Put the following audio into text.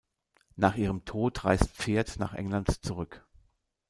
Nach ihrem Tod reist Pferd nach England zurück.